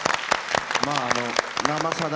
「生さだ」